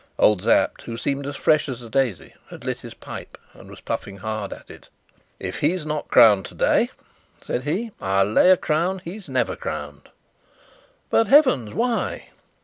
Old Sapt, who seemed as fresh as a daisy, had lit his pipe and was puffing hard at it. "If he's not crowned today," said he, "I'll lay a crown he's never crowned." "But heavens, why?"